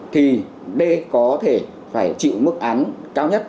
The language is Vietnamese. thì d có thể phải chịu mức án cao nhất